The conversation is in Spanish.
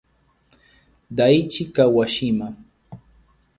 Daichi Kawashima